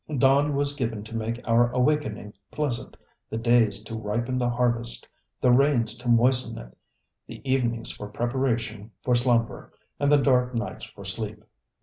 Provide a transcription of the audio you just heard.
Dawn was given to make our awakening pleasant, the days to ripen the harvest, the rains to moisten it, the evenings for preparation for slumber, and the dark nights for sleep.